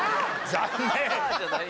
残念！